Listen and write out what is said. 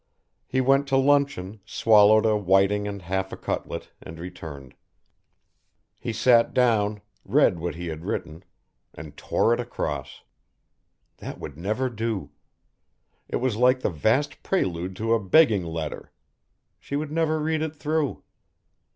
He went to luncheon, swallowed a whiting and half a cutlet, and returned. He sat down, read what he had written, and tore it across. That would never do. It was like the vast prelude to a begging letter. She would never read it through.